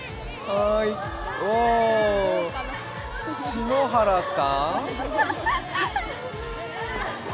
篠原さん？